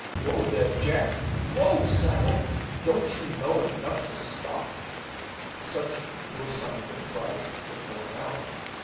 "Whoa, there, Jack! Whoa, Sally! Don't you know enough to stop?" Such were some of the cries which rang out.